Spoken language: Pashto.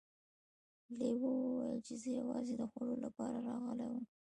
لیوه وویل چې زه یوازې د خوړو لپاره راغلی وم.